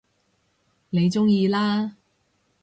你鍾意啦